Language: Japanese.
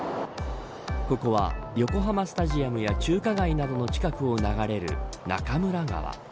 ここは、横浜スタジアムや中華街などの近くを流れる中村川。